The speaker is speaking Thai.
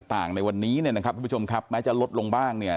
ในวันนี้เนี่ยนะครับทุกผู้ชมครับแม้จะลดลงบ้างเนี่ย